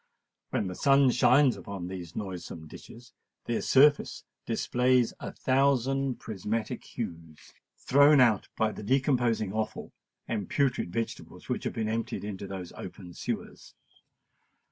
When the sun shines upon these noisome ditches, their surface displays a thousand prismatic hues, thrown out by the decomposing offal and putrid vegetables which have been emptied into those open sewers.